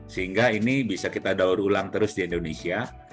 sehingga ini bisa kita daur ulang terus di indonesia